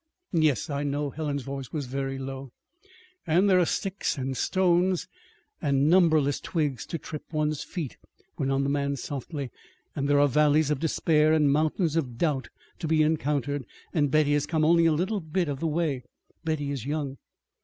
"Yes, I know." Helen's voice was very low. "And there are sticks and stones and numberless twigs to trip one's feet," went on the man softly. "And there are valleys of despair and mountains of doubt to be encountered and Betty has come only a little bit of the way. Betty is young."